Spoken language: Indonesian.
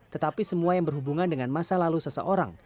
tetapi semua yang berhubungan dengan masa lalu seseorang